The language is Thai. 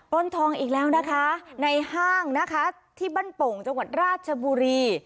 ้นทองอีกแล้วนะคะในห้างนะคะที่บ้านโป่งจังหวัดราชบุรี